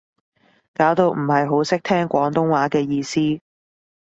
搞到唔係好識聽廣東話嘅意思